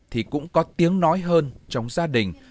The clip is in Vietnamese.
thì cũng có tiếng nói hơn trong gia đình